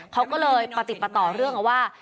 เขาก็เลยประติดประต่อเรื่องเอาว่า